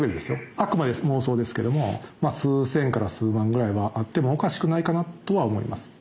あくまで妄想ですけども数千から数万ぐらいはあってもおかしくないかなとは思います。